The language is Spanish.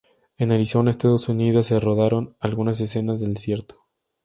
En Arizona, Estados Unidos, se rodaron algunas escenas del desierto.